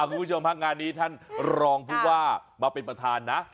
คุณผู้ชมฮะงานนี้ท่านรองผู้ว่ามาเป็นประธานนะ